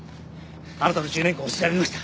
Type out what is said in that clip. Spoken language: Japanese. あなたの１０年間を調べました。